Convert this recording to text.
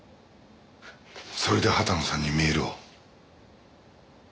それで畑野さんにメールを？